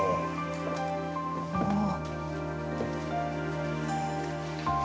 おお。